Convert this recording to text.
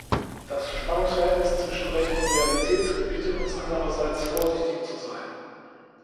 Das Spannungsverhältnis zwischen Recht und Realität gebietet uns andererseits, vorsichtig zu sein.